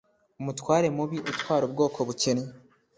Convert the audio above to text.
umutware mubi utwara ubwoko bukennye,